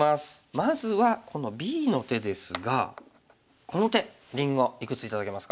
まずはこのＢの手ですがこの手りんごいくつ頂けますか？